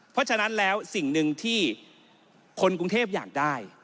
เพราะฉะนั้นแล้วสิ่งหนึ่งที่คนกรุงเทพอยากได้